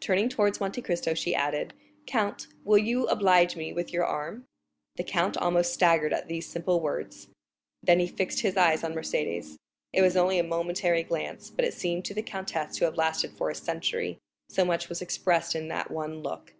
Turning towards Monte Cristo, she added, "count, will you oblige me with your arm?" The count almost staggered at these simple words; then he fixed his eyes on Mercédès. It was only a momentary glance, but it seemed to the countess to have lasted for a century, so much was expressed in that one look.